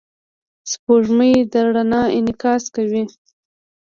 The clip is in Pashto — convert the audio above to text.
سپوږمۍ د رڼا انعکاس کوي.